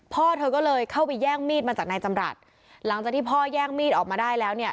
พ่อเธอก็เลยเข้าไปแย่งมีดมาจากนายจำรัฐหลังจากที่พ่อแย่งมีดออกมาได้แล้วเนี่ย